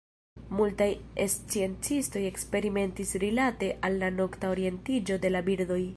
Multaj sciencistoj eksperimentis rilate al la nokta orientiĝo de la birdoj.